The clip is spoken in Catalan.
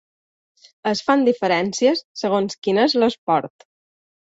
Es fan diferències segons quin és l'esport.